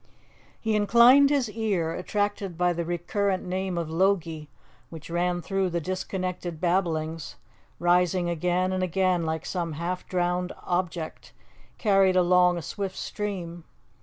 He inclined his ear, attracted by the recurrent name of Logie which ran through the disconnected babblings, rising again and again like some half drowned object carried along a swift stream.